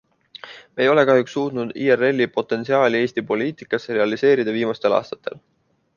Me ei ole kahjuks suutnud IRLi potentsiaali Eesti poliitikas realiseerida viimastel aastatel.